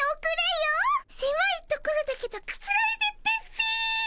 せまいところだけどくつろいでってっピィ。